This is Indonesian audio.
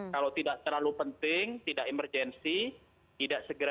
kalau tidak terlalu penting tidak emergensi tidak segera